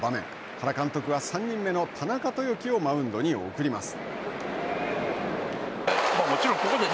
原監督は３人目の田中豊樹をマウンドに送ります。